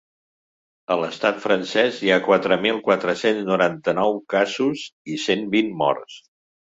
A l’estat francès hi ha quatre mil quatre-cents noranta-nou casos i cent vint morts.